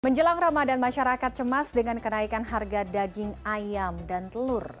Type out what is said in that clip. menjelang ramadan masyarakat cemas dengan kenaikan harga daging ayam dan telur